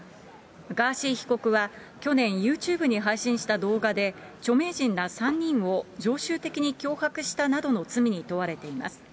ガーシー被告は去年、ユーチューブに配信した動画で、著名人ら３人を常習的に脅迫したなどの罪に問われています。